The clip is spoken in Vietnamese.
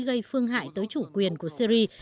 gây phương hại tới chủ quyền của syria